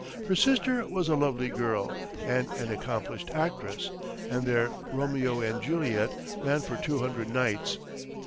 Her sister was a lovely girl, and an accomplished actress, and their "Romeo and Juliet" ran for two hundred nights.